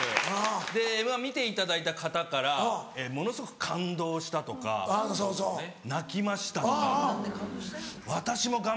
『Ｍ−１』見ていただいた方から「ものすごく感動した」とか「泣きました」とか